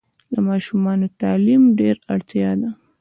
د ماشومانو تعلیم ډېره اړتیا ده.